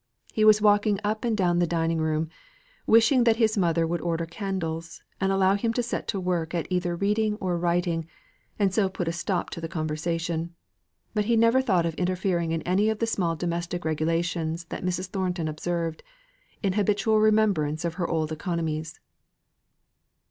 He was walking up and down the dining room, wishing that his mother would order candles, and allow him to set to work at either reading or writing, and so put a stop to the conversation. But he never thought of interfering in any of the small domestic regulations that Mrs. Thornton observed, in habitual remembrance of her old economies.